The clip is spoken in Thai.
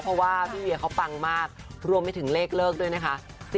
เพราะว่าพี่เวียเขาปังมากรวมไปถึงเลขเลิกด้วยนะคะ